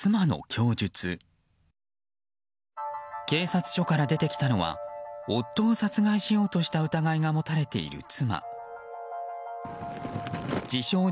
警察署から出てきたのは夫を殺害しようとした疑いが持たれている妻自称